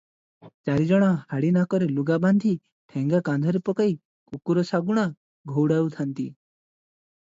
ଚାରିଜଣ ହାଡ଼ି ନାକରେ ଲୁଗା ବାନ୍ଧି ଠେଙ୍ଗା କାନ୍ଧରେ ପକାଇ କୁକୁର ଶାଗୁଣା ଘଉଡ଼ାଉଥାନ୍ତି ।